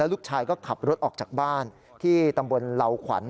ลูกชายก็ขับรถออกจากบ้านที่ตำบลเหล่าขวัญ